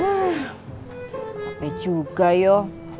sampai juga yuk